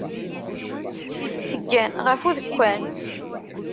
Teggan ɣef udekkan.